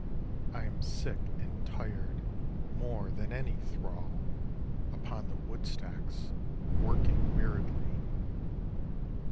I am sick, and tired more than any thrall Upon the woodstacks working weariedly.